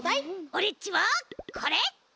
オレっちはこれ！